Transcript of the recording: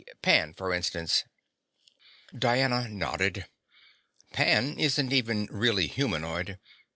Pan, for instance " Diana nodded. "Pan isn't even really humanoid.